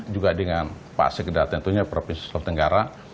juga dengan pak sekda tentunya provinsi sulawesi tenggara